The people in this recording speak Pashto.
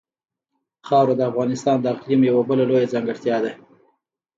خاوره د افغانستان د اقلیم یوه بله لویه ځانګړتیا ده.